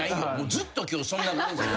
ずっと今日そんな感じよ。